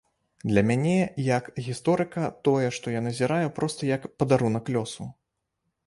Для мяне як гісторыка тое, што я назіраю, проста як падарунак лёсу.